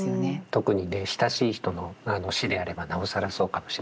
特にね親しい人の死であればなおさらそうかもしれませんね。